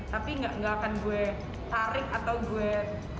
tapi nggak akan gue tarik atau gue tarik gitu ya